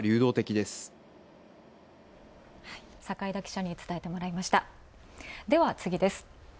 では次です。